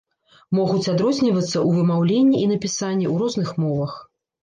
Могуць адрознівацца ў вымаўленні і напісанні ў розных мовах.